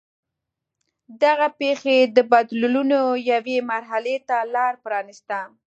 دغه پېښې د بدلونونو یوې مرحلې ته لار پرانېسته.